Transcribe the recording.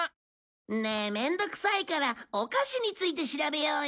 ねえ面倒くさいからお菓子について調べようよ。